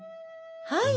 はい。